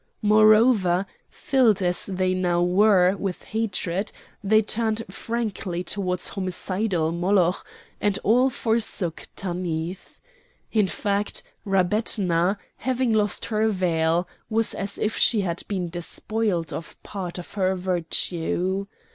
Moreover, filled as they now were with hatred, they turned frankly towards homicidal Moloch, and all forsook Tanith. In fact, Rabetna, having lost her veil, was as if she had been despoiled of part of her virtue.